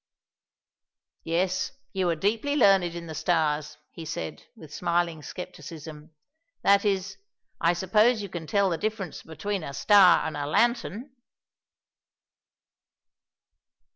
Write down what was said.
'" "Yes, you are deeply learned in the Stars," he said with smiling skepticism, "that is, I suppose you can tell the difference between a star and a lantern."